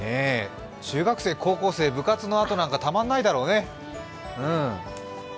中学生、高校生、部活のあとなんかたまんないだろうね。